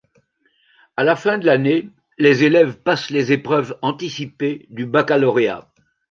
À la fin de l’année, les élèves passent les épreuves anticipées du baccalauréat.